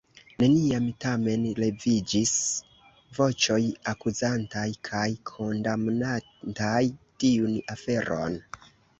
Neniam, tamen, leviĝis voĉoj akuzantaj kaj kondamnantaj tiun aferon.